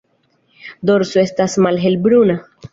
Dorso estas malhelbruna.